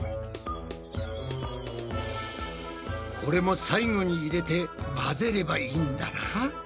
これも最後に入れて混ぜればいいんだな。